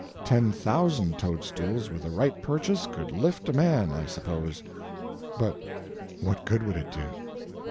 Ten thousand toadstools, with the right purchase, could lift a man, I suppose. But what good would it do?